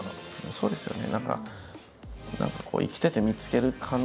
そうですよね。